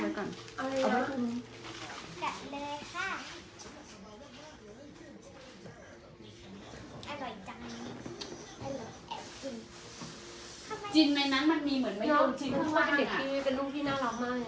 มันเจอเนี่ยไม่รู้จริง